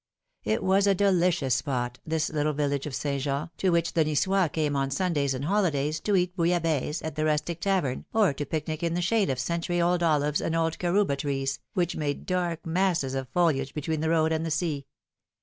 It was a delicious spot, this little village of St. Jean, to which the Ni9ois came on Sundays and holidays to eat bouillabaisse at the rustic tavern or to picnic in the shade of century old olives and old carouba trees, which made dark masses of foliage between the road and the sea.